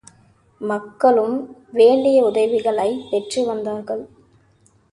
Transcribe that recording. மக்களும் வேண்டிய உதவிகளைப் பெற்று வந்தார்கள்.